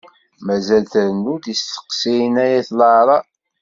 Mazal trennu-d isteqsiyen ay at laɛraḍ.